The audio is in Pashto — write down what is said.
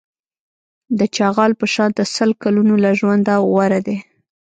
د چغال په شان د سل کلونو له ژونده غوره دی.